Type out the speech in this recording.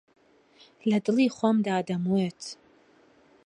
لەدڵی خۆمدا دەموت